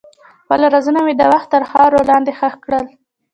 خپل رازونه مې د وخت تر خاورو لاندې ښخ کړل.